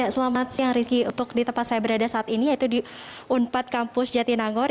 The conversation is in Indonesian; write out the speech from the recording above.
selamat siang rizky untuk di tempat saya berada saat ini yaitu di unpad kampus jatinangor